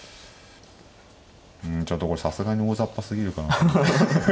うんちょっとこれさすがに大ざっぱすぎるかな。